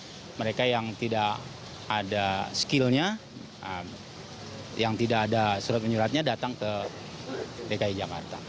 ada mereka yang tidak ada skillnya yang tidak ada surat menyuratnya datang ke dki jakarta